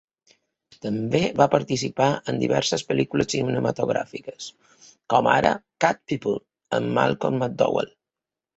També va participar en diverses pel·lícules cinematogràfiques, com ara "Cat People" amb Malcolm McDowell.